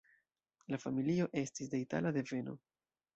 La familio estis de itala deveno.